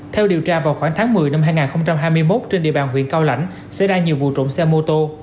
theo điều tra vào khoảng tháng một mươi năm hai nghìn hai mươi một trên địa bàn huyện cao lãnh xảy ra nhiều vụ trộm xe mô tô